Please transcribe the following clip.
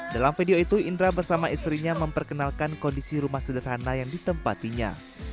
dalam video itu indra bersama istrinya memperkenalkan kondisi rumah sederhana yang ditempatinya